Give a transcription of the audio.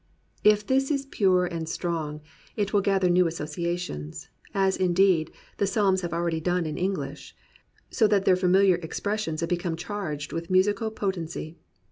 If this is pure and strong, it will gather new associations; as, indeed, the Psalms have already done in English, so that their familiar expressions have become charged with musical potency.